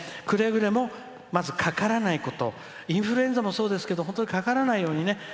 くれぐれも、まずかからないことインフルエンザもそうですけど本当にかからないようにね。